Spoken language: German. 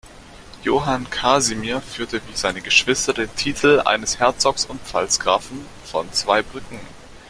Johann Kasimir führte wie seine Geschwister den Titel eines Herzogs und Pfalzgrafen von Zweibrücken.